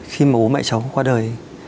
khi mà bố mẹ cháu qua đời